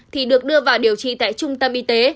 thì được đưa vào điều trị tại trung tâm y tế